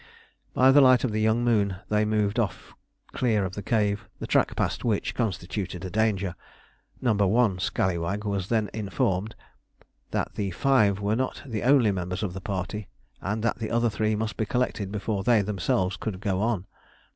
By the light of the young moon they moved off clear of the cave, the track past which constituted a danger. No. 1 scallywag was then informed that the five were not the only members of the party, and that the other three must be collected before they themselves could go on.